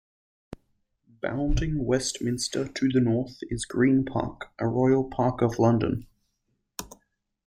Bounding Westminster to the north is Green Park, a Royal Park of London.